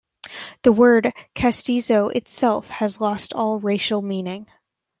The word "castizo" itself has lost all racial meaning.